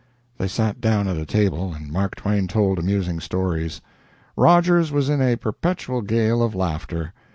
They sat down at a table, and Mark Twain told amusing stories. Rogers was in a perpetual gale of laughter.